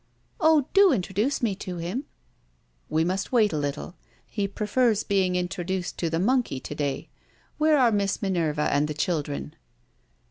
"Oh, do introduce me to him!" "We must wait a little. He prefers being introduced to the monkey to day. Where are Miss Minerva and the children?"